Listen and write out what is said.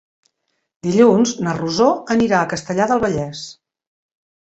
Dilluns na Rosó anirà a Castellar del Vallès.